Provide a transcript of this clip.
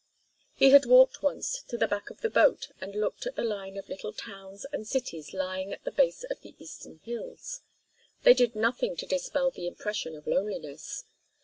He had walked once to the back of the boat and looked at the line of little towns and cities lying at the base of the eastern hills. They did nothing to dispel the impression of loneliness.